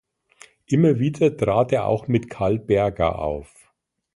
Immer wieder trat er auch mit Karl Berger auf.